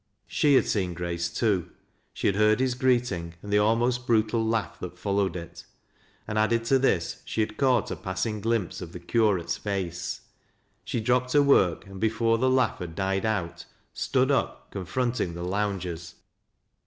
She had seen Grace too ; she had heard his greeting and the almost brutal laugh that followed it ; and, added to this, she had caught a passing glimpse of the curate's face. She dropped her work, and, before the laugh had died out, stood up confronting the loungei s.